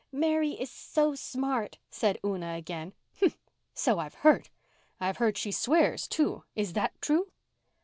"Mary is so smart," said Una again. "Humph! So I've heard. I've heard she swears, too. Is that true?"